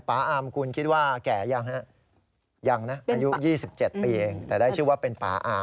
อามคุณคิดว่าแก่ยังฮะยังนะอายุ๒๗ปีเองแต่ได้ชื่อว่าเป็นป่าอาม